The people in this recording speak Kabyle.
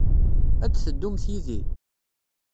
Ad d-teddumt yid-i?